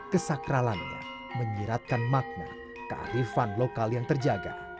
kesakralannya menyiratkan makna kearifan lokal yang terjaga